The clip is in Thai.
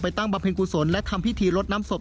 ตั้งบำเพ็ญกุศลและทำพิธีลดน้ำศพ